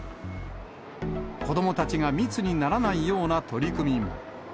子どもたちが密にならないような取り組みも。